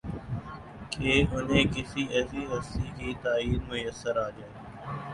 کہ انہیں کسی ایسی ہستی کی تائید میسر آ جائے